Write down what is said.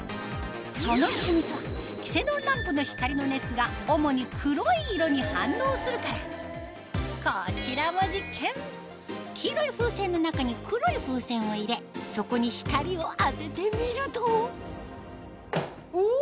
その秘密はキセノンランプの光の熱が主に黒い色に反応するからこちらも実験黄色い風船の中に黒い風船を入れそこに光を当ててみるとお！